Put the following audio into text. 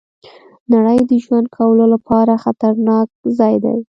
نړۍ د ژوند کولو لپاره خطرناک ځای دی.